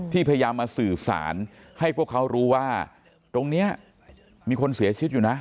พยายามมาสื่อสารให้พวกเขารู้ว่าตรงนี้มีคนเสียชีวิตอยู่นะ